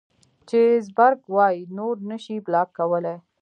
چې زبرګ وائي نور نشې بلاک کولے